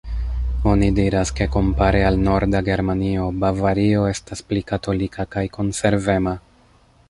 Oni diras, ke kompare al norda Germanio, Bavario estas pli katolika kaj konservema.